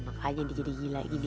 makanya dia jadi gila